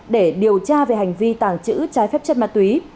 để điều tra về hành vi tàng trữ trái phép chất ma túy